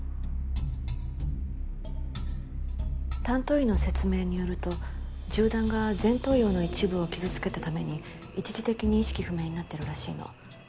担当医の説明によると銃弾が前頭葉の一部を傷つけたために一時的に意識不明になってるらしいの。